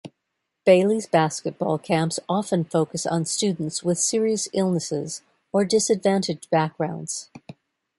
Bailey's basketball camps often focus on students with serious illnesses or disadvantaged backgrounds.